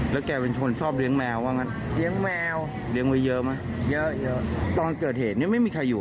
แล้วแกเป็นคนชอบเลี้ยงแมวหรือไม่